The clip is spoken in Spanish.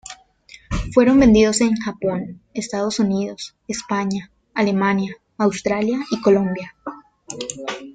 Fueron vendidos en Japón, Estados Unidos, España, Alemania, Australia y Colombia.